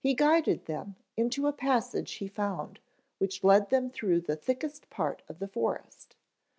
"He guided them into a passage he had found which lead them through the thickest part of the forest.